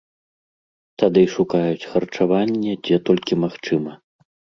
Тады шукаюць харчаванне, дзе толькі магчыма.